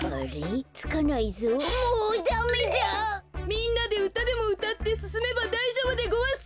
みんなでうたでもうたってすすめばだいじょうぶでごわす。